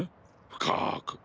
深く。